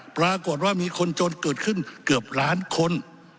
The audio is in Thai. ปรากฏว่ามีคนจนเกิดขึ้นเกือบล้านคน